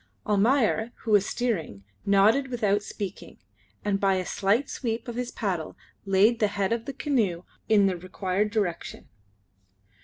Almayer, who was steering, nodded without speaking, and by a slight sweep of his paddle laid the head of the canoe in the required direction.